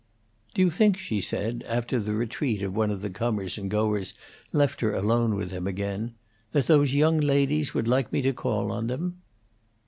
"Do you think," she said, after the retreat of one of the comers and goers left her alone with him again, "that those young ladies would like me to call on them?"